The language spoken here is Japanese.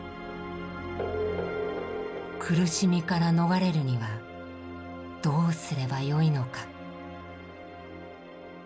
「苦しみから逃れるにはどうすればよいのか」。